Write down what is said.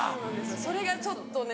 それがちょっとね